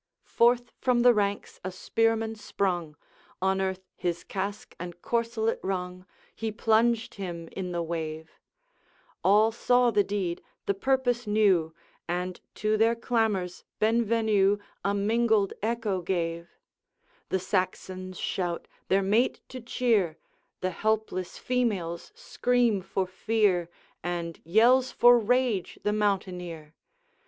Forth from the ranks a spearman sprung, On earth his casque and corselet rung, He plunged him in the wave: All saw the deed, the purpose knew, And to their clamors Benvenue A mingled echo gave; The Saxons shout, their mate to cheer, The helpless females scream for fear And yells for rage the mountaineer.